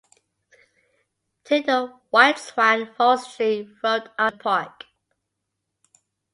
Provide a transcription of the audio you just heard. Take the Whiteswan Forestry Road up to the park.